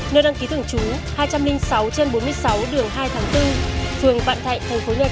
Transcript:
nơi đăng ký thường trú thôn long hòa xã đức an huyện đức thọ tỉnh thánh hòa